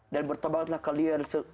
dan bertaubatlah kalian